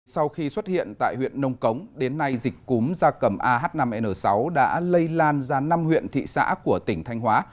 sau khi xuất hiện tại huyện nông cống đến nay dịch cúm da cầm ah năm n sáu đã lây lan ra năm huyện thị xã của tỉnh thanh hóa